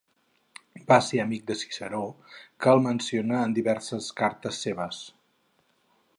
Va ser amic de Ciceró, que el menciona en diverses cartes seves.